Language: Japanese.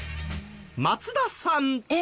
松田さん。